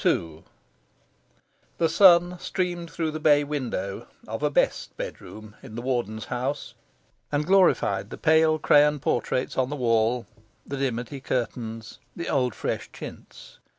II The sun streamed through the bay window of a "best" bedroom in the Warden's house, and glorified the pale crayon portraits on the wall, the dimity curtains, the old fresh chintz.